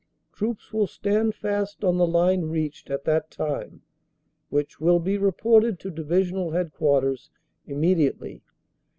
Troops will stand fast on the line reached at that time, which will be reported to Divisional Headquart ers immediately.